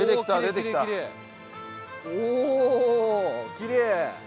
きれい！